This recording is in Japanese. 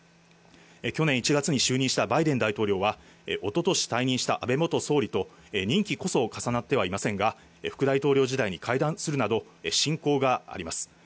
去年１月に就任したバイデン大統領は、おととし退任した安倍元総理と任期こそ重なってはいませんが、副大統領時代に会談するなど、親交があります。